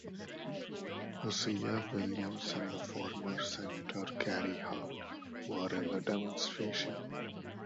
Hosea Williams and former senator Gary Hart were in the demonstration.